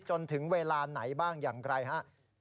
จนถึงเวลาไหนบ้างอย่างไรฮะ